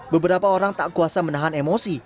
beberapa orang tak kuasa menahan emosi